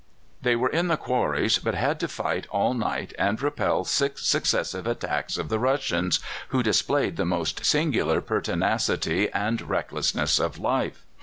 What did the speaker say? "They were in the quarries, but had to fight all night and repel six successive attacks of the Russians, who displayed the most singular pertinacity and recklessness of life.